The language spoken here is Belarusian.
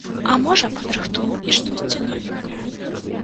А можа, падрыхтуем і штосьці новенькае.